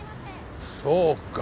そうか。